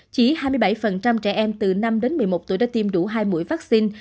chỉ hai mươi bảy trẻ em từ năm đến một mươi một tuổi đã tiêm đủ hai mũi vaccine